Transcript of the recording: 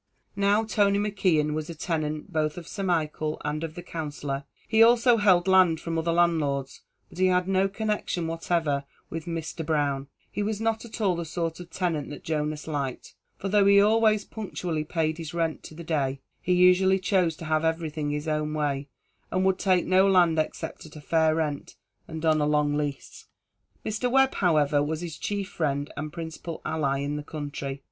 Now Tony McKeon was a tenant both of Sir Michael and of the Counsellor; he also held land from other landlords, but he had no connexion whatever with Mr. Brown: he was not at all the sort of tenant that Jonas liked; for though he always punctually paid his rent to the day, he usually chose to have everything his own way, and would take no land except at a fair rent and on a long lease. Mr. Webb, however, was his chief friend and principal ally in the country.